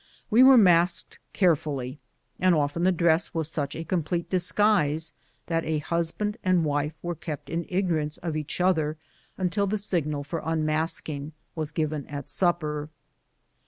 We were masked carefully, and often the dress was such a complete disguise that a husband and wife were kept in ignorance of each other until the signal for unmasking was given at supper.